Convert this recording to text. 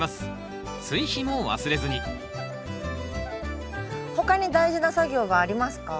追肥も忘れずに他に大事な作業はありますか？